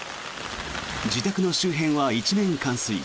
自宅の周辺は一面冠水。